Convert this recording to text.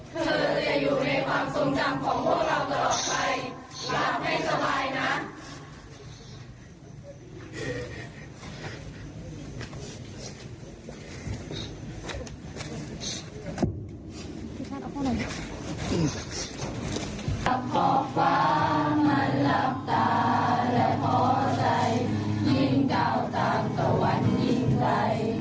เธอจะอยู่ในความทรงจำของพวกเราตลอดไปอยากให้สบายนะ